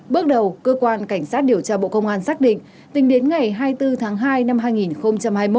bước đầu cơ quan cảnh sát điều tra bộ công an xác định tính đến ngày hai mươi bốn tháng hai năm hai nghìn hai mươi một